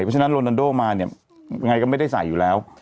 เพราะฉะนั้นโรนันโดมาเนี่ยยังไงก็ไม่ได้ใส่อยู่แล้ว